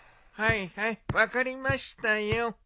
はいはい分かりましたよ。